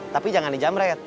tapi jangan dijamret